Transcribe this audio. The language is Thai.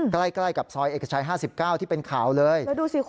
ใกล้กับซอยเอกชัย๕๙ที่เป็นข่าวเลย